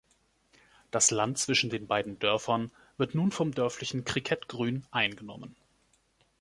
Das Land zwischen den beiden Dörfern wird nun vom dörflichen Kricketgrün eingenommen.